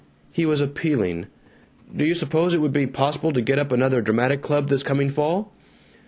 He was appealing, "Do you suppose it would be possible to get up another dramatic club this coming fall?"